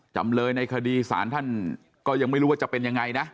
จำเลยในคดีศาลท่านก็ยังไม่รู้ว่าจะเป็นยังไงนะ